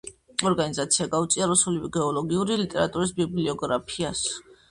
ორგანიზაცია გაუწია რუსული გეოლოგიური ლიტერატურის ბიბლიოგრაფიას.